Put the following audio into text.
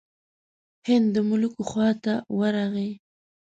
هند د ملوکو خواته ورغی.